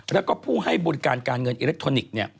แล้วก็ผู้ให้บริการการเงินอิเล็กทรอนิกส์